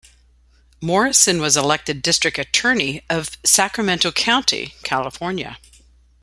Morrison was elected district attorney of Sacramento County, California.